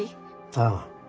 ああ。